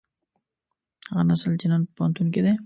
هغه نسل چې نن په پوهنتون کې دی.